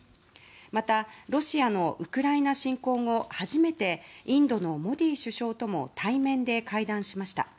また、ロシアのウクライナ侵攻後初めてインドのモディ首相とも対面で会談しました。